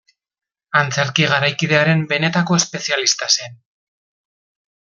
Antzerki garaikidearen benetako espezialista zen.